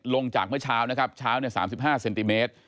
ลงจากเมื่อเช้านะครับเช้า๓๕เซนติเมตร